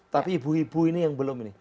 tapi ibu ibu ini yang belum ini